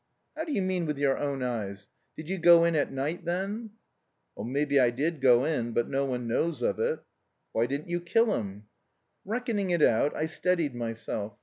"How do you mean with your own eyes? Did you go in at night then?" "Maybe I did go in, but no one knows of it." "Why didn't you kill him?" "Reckoning it out, I steadied myself.